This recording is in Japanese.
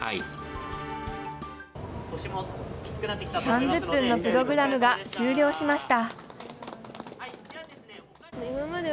３０分のプログラムが終了しました。